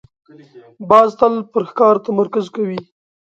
باز تل پر ښکار تمرکز کوي